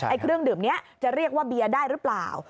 เครื่องดื่มนี้จะเรียกว่าเบียร์ได้หรือเปล่า